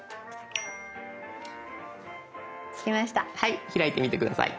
開いてみて下さい。